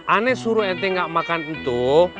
anak suruh ente nggak makan itu